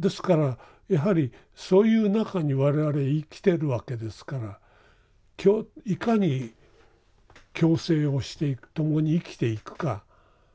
ですからやはりそういう中に我々生きてるわけですからいかに共生をしていく共に生きていくか。